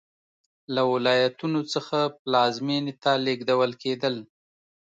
له ولایتونو څخه پلازمېنې ته لېږدول کېدل